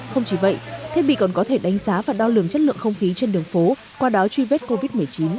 không chỉ vậy thiết bị còn có thể đánh giá và đo lường chất lượng không khí trên đường phố qua đó truy vết covid một mươi chín